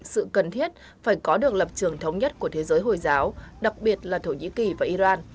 sự cần thiết phải có được lập trường thống nhất của thế giới hồi giáo đặc biệt là thổ nhĩ kỳ và iran